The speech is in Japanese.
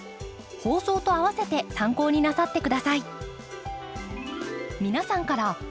放送とあわせて参考になさって下さい。